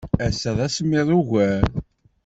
Ass-a, d asemmiḍ ugar.